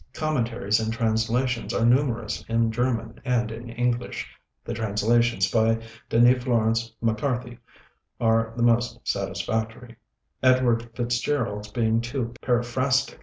Commentaries and translations are numerous in German and in English; the translations by Denis Florence MacCarthy are the most satisfactory, Edward Fitzgerald's being too paraphrastic.